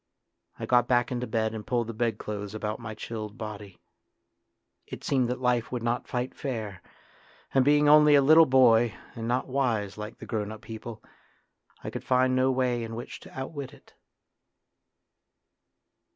I got back into bed and pulled the bedclothes about my chilled body. It seemed that life would not fight fair, and being only a little boy and not wise like the grown up people, I could find no way in which to outwit it.